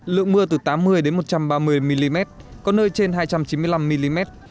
lượng mưa từ tám mươi một trăm ba mươi mm có nơi trên hai trăm chín mươi năm mm